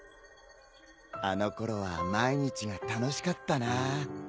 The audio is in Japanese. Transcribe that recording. あのころは毎日が楽しかったなぁ。